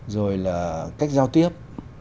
rồi là cách giao tiếp